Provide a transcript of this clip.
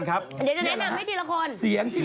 แองจี้